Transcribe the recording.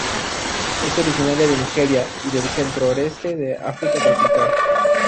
Es originaria de Nigeria y del centro-oeste de África tropical.